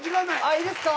いいですか？